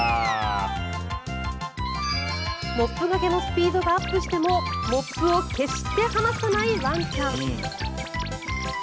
モップがけのスピードがアップしてもモップを決して離さないワンちゃん。